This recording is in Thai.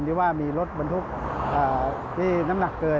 ที่ว่ามีรถบรรทุกที่น้ำหนักเกิน